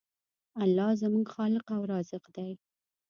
الله زموږ خالق او رازق دی.